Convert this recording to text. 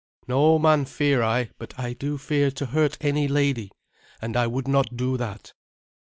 "No man fear I; but I do fear to hurt any lady, and I would not do that."